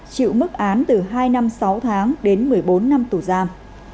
chịu mức án từ hai năm sáu tháng đến một mươi bốn năm tù giam